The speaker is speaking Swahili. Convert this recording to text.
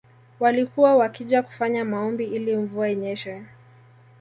Walikuwa wakija kufanya maombi ili mvua inyeshe